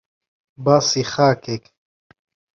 باسی خاکێک